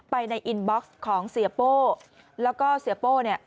ในอินบ็อกซ์ของเสียโป้แล้วก็เสียโป้เนี่ย